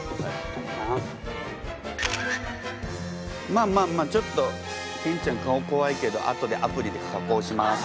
まあまあまあちょっとケンちゃん顔こわいけどあとでアプリで加工します。